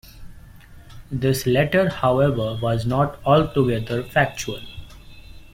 This letter, however, was not altogether factual.